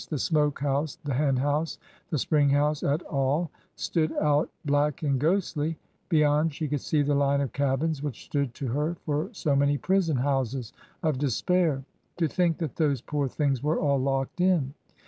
The smoke house, the hen house, the spring house, et al, stood out black and ghostly ; beyond, she could see the line of cabins which stood to her for so many prison houses of de spair. To think that those poor things were all locked in